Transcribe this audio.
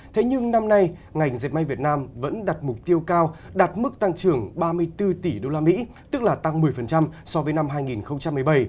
thế nhưng năm nay ngành dệt may việt nam vẫn đặt mục tiêu cao đạt mức tăng trưởng ba mươi bốn tỷ usd tức là tăng một mươi so với năm hai nghìn một mươi bảy